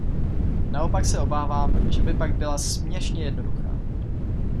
Naopak se obávám, že by pak byla směšně jednoduchá.